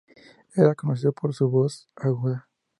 Era conocido por su voz aguda.